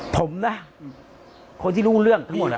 ผมนะคนที่รู้เรื่องทั้งหมด